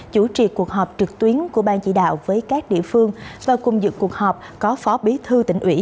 chủ trì cuộc họp trực tuyến của bang chỉ đạo với các địa phương và cung dựng cuộc họp có phó bí thư tỉnh ủy